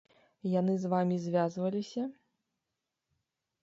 Яны з вамі звязваліся?